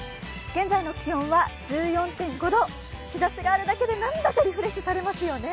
現在の気温は１４．５度日ざしがあるだけでなんだかリフレッシュされますよね。